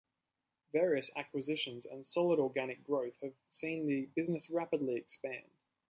Various acquisitions and solid organic growth have seen the business rapidly expand.